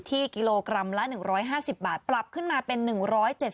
ที่กิโลกรัมละหนึ่งร้อยห้าสิบบาทปรับขึ้นมาเป็นหนึ่งร้อยเจ็ด